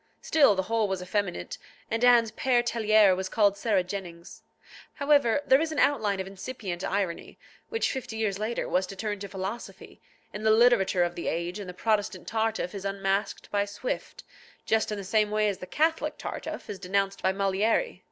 Still the whole was effeminate, and Anne's Père Tellier was called Sarah Jennings. However, there is an outline of incipient irony, which fifty years later was to turn to philosophy, in the literature of the age, and the Protestant Tartuffe is unmasked by Swift just in the same way as the Catholic Tartuffe is denounced by Molière.